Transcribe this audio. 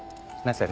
それ。